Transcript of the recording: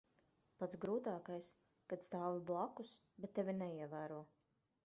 Pats grūtākais - kad stāvi blakus, bet tevi neievēro.